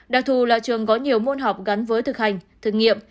đặc thù là trường có nhiều môn học gắn với thực hành thử nghiệm